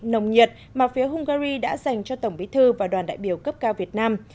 nồng nhiệt mà phía hungary đã dành cho tổng bí thư và đoàn đại biểu cấp cao việt nam